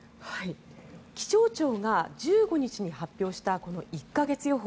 気象庁が１５日に発表した１か月予報。